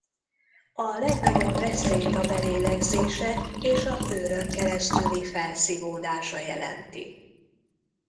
A legnagyobb veszélyt a belélegzése és a bőrön keresztüli felszívódása jelenti.